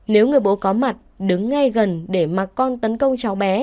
nếu người bố có mặt đứng ngay gần để mặc con tấn công cháu bé